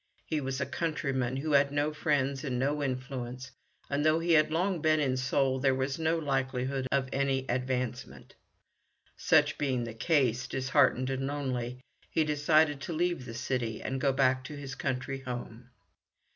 He was a countryman who had no friends and no influence, and though he had long been in Seoul there was no likelihood of any advancement. Such being the case, disheartened and lonely, he decided to leave the city and go back to his country home.